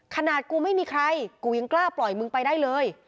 ขนาดกูไม่มีใครกูยังกล้าปล่อยมึงไปได้เลย